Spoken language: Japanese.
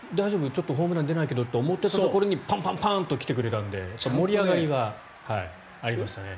ちょっとホームラン出ないけどと思っていたところにポンポンポンと来てくれたので盛り上がりはありましたね。